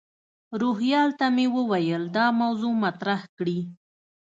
روهیال ته مې وویل دا موضوع مطرح کړي.